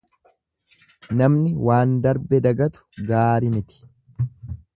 Namni waan darbe dagatu gaari miti.